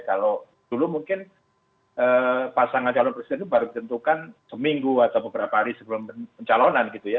kalau dulu mungkin pasangan calon presiden itu baru ditentukan seminggu atau beberapa hari sebelum pencalonan gitu ya